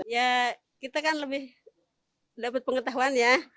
ya kita kan lebih dapat pengetahuan ya